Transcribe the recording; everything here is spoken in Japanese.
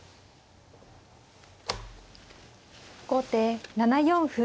後手７四歩。